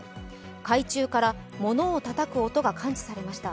海中からものをたたく音が感知されました。